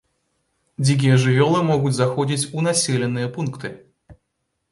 Дзікія жывёлы могуць заходзіць у населеныя пункты.